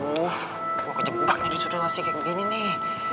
gue kejebak nih disuruh kasih kayak gini nih